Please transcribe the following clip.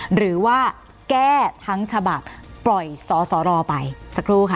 หรือว่าแก้ทั้งฉบับปล่อยสอสอรอไปสักครู่ค่ะ